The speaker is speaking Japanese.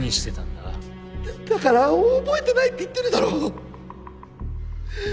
だだから覚えてないって言ってるだろ！